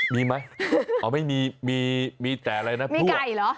มีมั้ยอ๋อไม่มีมีแต่อะไรนะพวกมีไก่เหรอ